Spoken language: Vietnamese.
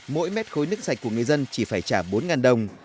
mỗi mét khối nước sạch của người dân chỉ phải trả bốn đồng